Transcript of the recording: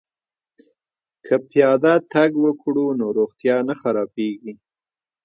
که پیاده تګ وکړو نو روغتیا نه خرابیږي.